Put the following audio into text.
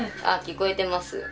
ああ聞こえてます。